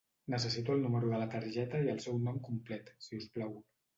Necessito el número de la targeta i el seu nom complet, si us plau.